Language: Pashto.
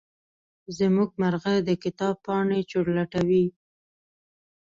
زمونږ مرغه د کتاب پاڼې چورلټوي.